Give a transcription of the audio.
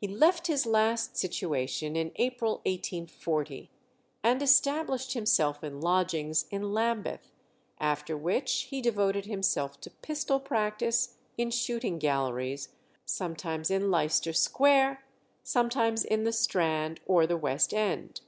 He left his last situation in April 1840, and established himself in lodgings in Lambeth, after which he devoted himself to pistol practice in shooting galleries, sometimes in Leicester Square, sometimes in the Strand, or the West End.